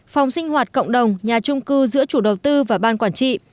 phòng sinh hoạt cộng đồng nhà trung cư giữa chủ đầu tư và ban quản trị